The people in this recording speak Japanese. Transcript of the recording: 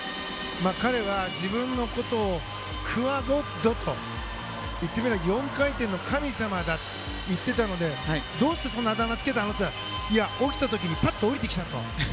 彼は自分のことをクワッドゴッドといってみれば４回転の神様だと言っていたのでどうしてそんなことを言ったの？と聞いたら落ちた時に降りてきたと。